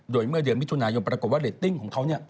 โดยเมื่อเดือนมิถุนายนปรากฏว่าเรตติ้งของเขา